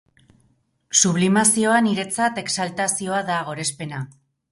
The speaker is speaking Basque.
Sublimazioa, niretzat, exaltazioa da, gorespena...